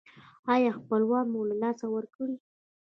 ایا خپلوان مو له لاسه ورکړي؟